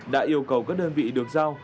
đã yêu cầu các đơn vị được giao